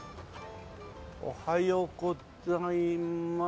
おはようございまあっ！